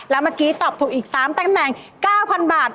แล้วเมื่อกี้ตอบถูกอีก๓แต๊ง๙๐๐๐บาท